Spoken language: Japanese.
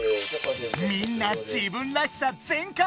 みんな自分らしさ全開！